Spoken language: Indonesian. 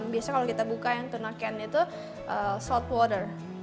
biasanya kalau kita buka yang tuna can itu shot water